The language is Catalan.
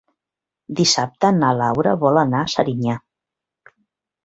Dissabte na Laura vol anar a Serinyà.